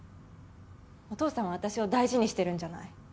お父さんは私を大事にしてるんじゃない。